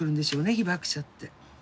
被爆者って。